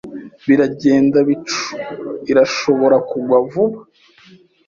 Biragenda bicu. Irashobora kugwa vuba.